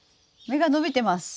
芽が伸びてます！